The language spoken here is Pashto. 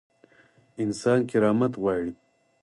انسان کرامت غواړي